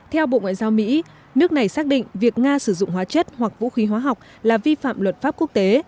theo bộ ngoại giao mỹ nước này xác định việc nga sử dụng hóa chất hoặc vũ khí hóa học là vi phạm luật pháp quốc tế